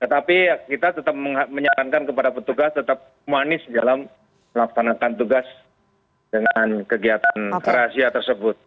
tetapi kita tetap menyarankan kepada petugas tetap humanis dalam melaksanakan tugas dengan kegiatan rahasia tersebut